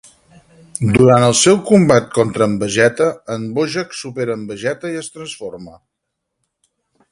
Durant el seu combat contra en Vegeta, en Bojack supera en Vegeta i es transforma.